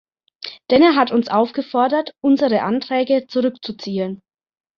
Denn er hat uns aufgefordert, unsere Anträge zurückzuziehen.